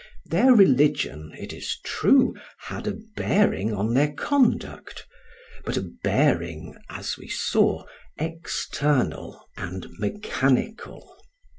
Their religion, it is true, had a bearing on their conduct, but a bearing, as we saw, external and mechanical.